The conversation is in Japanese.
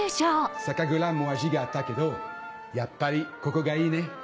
酒蔵も味があったけどやっぱりここがいいね。